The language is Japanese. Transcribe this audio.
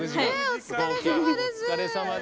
お疲れさまです。